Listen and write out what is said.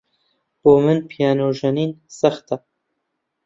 بۆ من پیانۆ ژەنین سەختە.